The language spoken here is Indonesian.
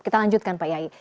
kita lanjutkan pak yai